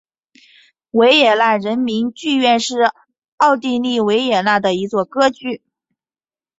维也纳人民剧院是奥地利维也纳的一座歌剧院。